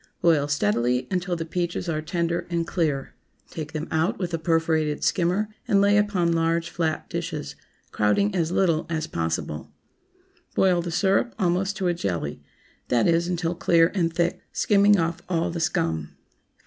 Boil steadily until the peaches are tender and clear. Take them out with a perforated skimmer and lay upon large flat dishes, crowding as little as possible. Boil the syrup almost to a jelly—that is, until clear and thick, skimming off all the scum.